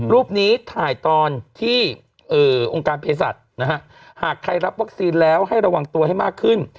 รูปนี้ถ่ายตอนที่องค์การเพศสัตว์นะฮะหากใครรับวัคซีนแล้วให้ระวังตัวให้มากขึ้น